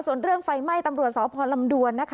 ส่วนเรื่องไฟไหม้ตำรวจสพลำดวนนะคะ